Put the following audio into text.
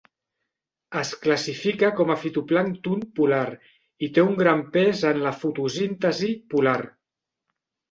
Es classifica com a fitoplàncton polar i té un gran pes en la fotosíntesi polar.